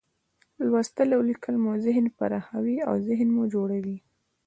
لوستل او لیکل مو ذهن پراخوي، اوذهین مو جوړوي.